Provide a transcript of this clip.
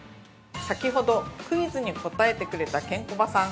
先ほどクイズに答えてくれたケンコバさん。